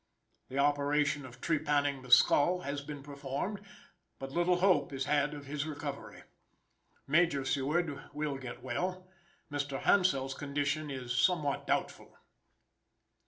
The operation of trepanning the skull has been performed, but little hope is had of his recovery. Major Seward will get well. Mr. Hansell's condition is somewhat doubtful.